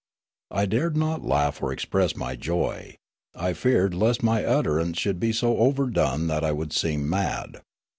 I dared not laugh or express m}' joy ; I feared lest my utterance should be so ov^erdone that I would seem mad.